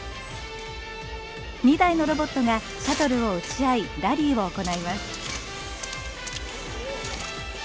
２台のロボットがシャトルを打ち合いラリーを行います。